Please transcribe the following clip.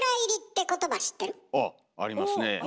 あっありますね。